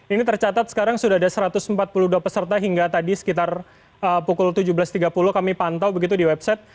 ini tercatat sekarang sudah ada satu ratus empat puluh dua peserta hingga tadi sekitar pukul tujuh belas tiga puluh kami pantau begitu di website